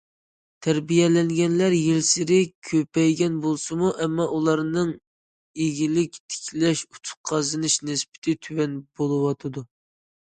تەربىيەلەنگەنلەر يىلسېرى كۆپەيگەن بولسىمۇ، ئەمما ئۇلارنىڭ ئىگىلىك تىكلەش، ئۇتۇق قازىنىش نىسبىتى تۆۋەن بولۇۋاتىدۇ.